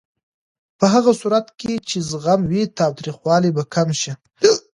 په هغه صورت کې چې زغم وي، تاوتریخوالی به کم شي.